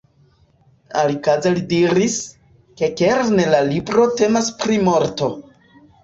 Alikaze li diris, ke kerne la libro temas pri morto.